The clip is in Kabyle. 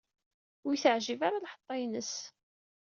Ur iyi-teɛjib ara lḥeṭṭa-ines.